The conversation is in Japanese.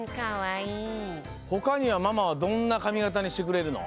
ほかにはママはどんなかみがたにしてくれるの？